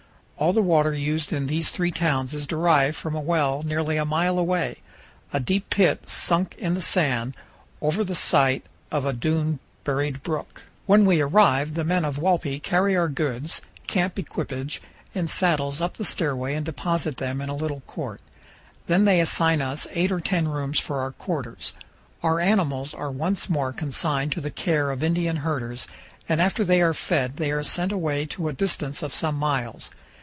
All the water used in these three towns is derived from a well nearly a mile away a deep pit sunk in the sand, over the site of a dune buried brook. When we arrive the men of Walpi carry our goods, camp equipage, and saddles up the stairway and deposit them in a little court. Then they assign us eight or ten rooms for our quarters. Our animals are once more consigned to the care of Indian herders, and after they are fed they are sent away to a distance of some miles.